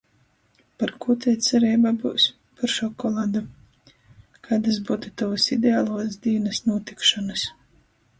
Par kū tei cereiba byus? Par šokoladu. Kaidys byutu tovys idealuos dīnys nūtikšonys?